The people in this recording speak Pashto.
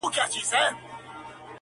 د سیالانو سره کله به سمېږې,